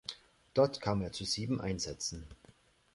Dort kam er zu sieben Einsätzen.